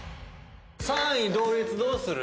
３位同率どうする？